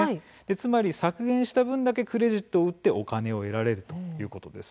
つまり削減した分だけクレジットを売って見返りのお金が得られるということです。